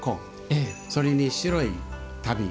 それに、白い足袋。